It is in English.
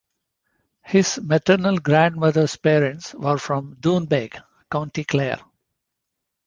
His maternal grandmother's parents were from Doonbeg, County Clare.